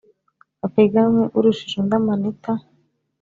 bapiganwe, urushije undi amanita